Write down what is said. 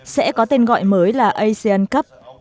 sẽ có tên gọi mới là asian cup